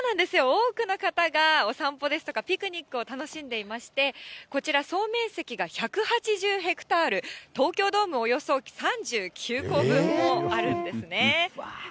多くの方がお散歩ですとか、ピクニックを楽しんでいまして、こちら、総面積が１８０ヘクタール、東京ドームおよそ３９個分もあるんですね。